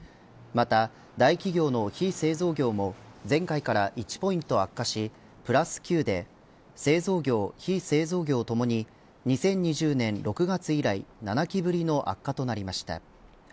また、大企業の非製造業も前回から１ポイント悪化しプラス９で製造業非製造業ともに２０２０年６月以来７期ぶりの悪化となりました。